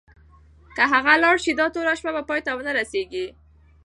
که هغه لاړه شي، دا توره شپه به پای ته ونه رسېږي.